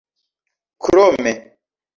krome